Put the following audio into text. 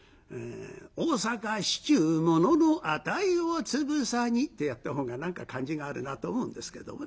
大坂市中物の値をつぶさにってやった方が何か感じがあるなと思うんですけどもね。